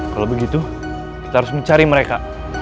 kalau begitu kita harus mencari mereka